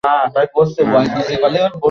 না, আমার মনে হয় সে না।